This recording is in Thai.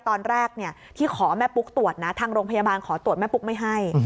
ตอนแรกที่ขอแม่ปุ๊กตรวจนะทางโรงพยาบาลขอตรวจแม่ปุ๊กไม่ให้